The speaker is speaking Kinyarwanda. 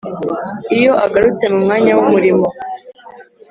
iyo agarutse mu mwanya w’umurimo